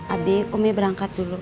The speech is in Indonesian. adik umi berangkat dulu